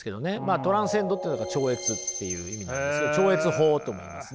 トランセンドって超越っていう意味なんですけど超越法ともいいますね。